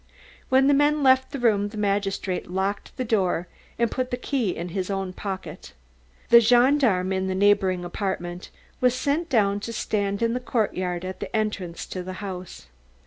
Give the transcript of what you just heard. When the men left the room the magistrate locked the door and put the key in his own pocket. The gendarme in the neighbouring apartment was sent down to stand in the courtyard at the entrance to the house.